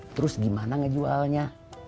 terus gimana ngejualnya